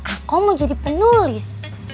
aku mau jadi penulis